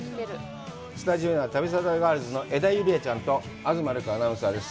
スタジオには旅サラダガールズの江田友莉亜ちゃんと、東留伽アナウンサーです。